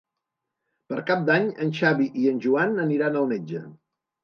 Per Cap d'Any en Xavi i en Joan aniran al metge.